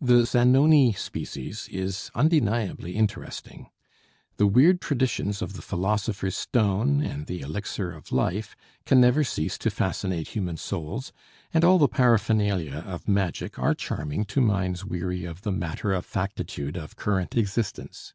The 'Zanoni' species is undeniably interesting. The weird traditions of the 'Philosopher's Stone' and the 'Elixir of Life' can never cease to fascinate human souls, and all the paraphernalia of magic are charming to minds weary of the matter of factitude of current existence.